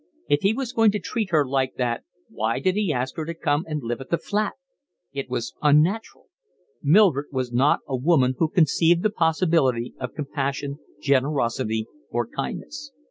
If he was going to treat her like that why did he ask her to come and live at the flat? It was unnatural. Mildred was not a woman who conceived the possibility of compassion, generosity, or kindness.